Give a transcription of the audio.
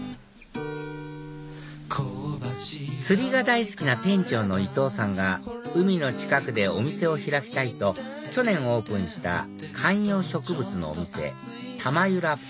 釣りが大好きな店長の伊藤さんが海の近くでお店を開きたいと去年オープンした観葉植物のお店